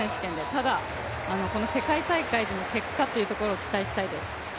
ただこの世界大会での結果というところを期待したいです。